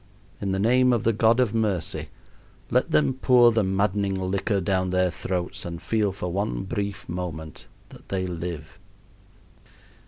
In the name of the God of mercy; let them pour the maddening liquor down their throats and feel for one brief moment that they live!